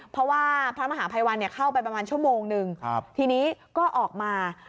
เพราะว่าพระมหาภัยวันเข้าไปประมาณชั่วโมงนึงทีนี้ก็ออกมา